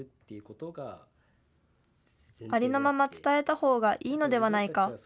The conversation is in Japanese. ありのまま伝えたほうがいいのではないか。